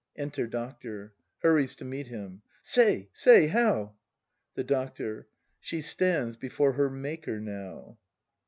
Enter Doctor. [Hurries to meet him.] Say! say! How ? The Doctor. She stands before her Maker now.